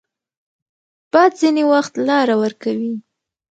باد ځینې وخت لاره ورکوي